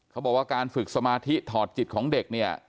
เขาบอกว่าการฝึกสมาธิถอดจิตของเด็กเนี่ย